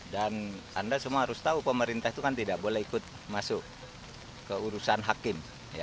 dan anda semua harus tahu pemerintah itu kan tidak boleh ikut masuk ke urusan hakim